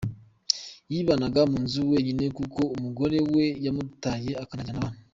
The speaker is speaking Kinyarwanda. Yibanaga mu nzu wenyine kuko umugore we yamutaye, akanajyana abana.